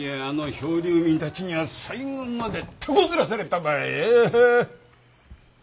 あの漂流民たちには最後までてこずらされたばい。